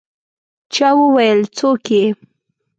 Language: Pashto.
چا وویل: «څوک يې؟»